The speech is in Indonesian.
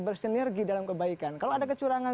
bersinergi dalam kebaikan kalau ada kecurangan